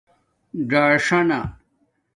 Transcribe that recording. ژاݽانہ